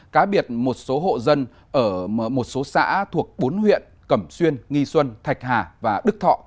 cá biệt một số hộ dân ở một số xã thuộc bốn huyện cẩm xuyên nghi xuân thạch hà và đức thọ